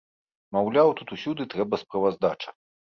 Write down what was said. Маўляў, тут усюды трэба справаздача.